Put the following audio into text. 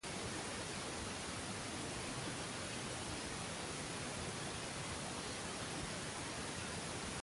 En Estados Unidos y Canadá, se venden principalmente en supermercados asiáticos.